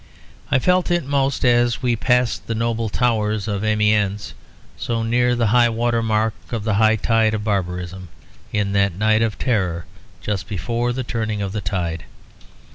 I felt it most as we passed the noble towers of Amiens, so near the high water mark of the high tide of barbarism, in that night of terror just before the turning of the tide.